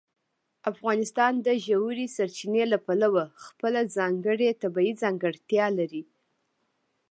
افغانستان د ژورې سرچینې له پلوه خپله ځانګړې طبیعي ځانګړتیا لري.